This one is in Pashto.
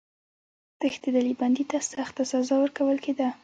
تښتېدلي بندي ته سخته سزا ورکول کېده.